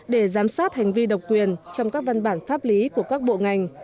để giám sát hành vi độc quyền trong các văn bản pháp lý của các bộ ngành